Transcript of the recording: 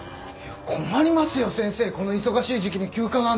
困りますよ先生この忙しい時期に休暇なんて。